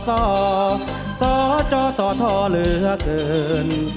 ซ่อซ่อซ่อจ่อซ่อท่อเหลือเกิน